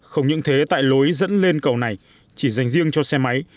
không những thế tại lối dẫn lên cầu này chỉ dành riêng cho xe máy